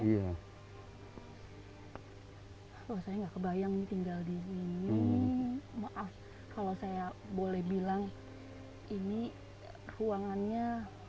hai kalau saya nggak kebayang tinggal di sini maaf kalau saya boleh bilang ini ruangannya